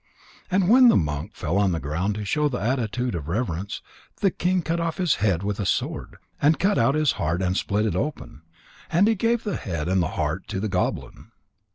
And when the monk fell on the ground to show the attitude of reverence, the king cut off his head with a sword, and cut out his heart and split it open. And he gave the head and the heart to the goblin.